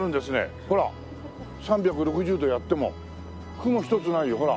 ３６０度やっても雲一つないよほら。